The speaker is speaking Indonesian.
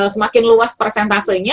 semakin luas persentasenya